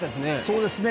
そうですね。